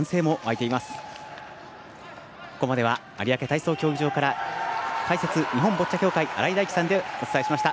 ここまでは有明体操競技場から解説、日本ボッチャ協会新井大基さんでお伝えしました。